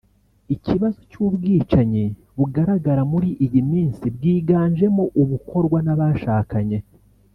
ikibazo cy’ubwicanyi bugaragara muri iyi minsi bwiganjemo ubukorwa n’abashakanye